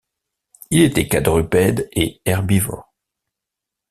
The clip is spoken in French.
Il était quadrupède et herbivore.